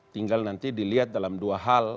tinggal nanti dilihat dalam dua hal